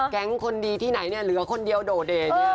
แก๊งคนดีที่ไหนหรือว่าคนเดียวโด่เด